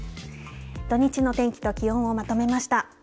土日の天気と気温をまとめました。